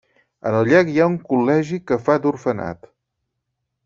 En el llac hi ha un col·legi que fa d'orfenat.